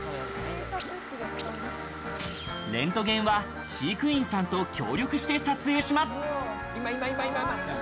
レントゲンは飼育員さんと協力して撮影します。